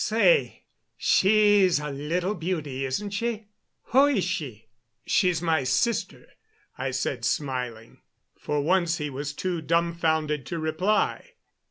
"Say, she's a little beauty, isn't she? Who is she?" "She's my sister," I said, smiling. For once he was too dumfounded to reply.